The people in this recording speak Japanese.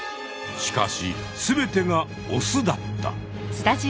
しかし全てがオスだった。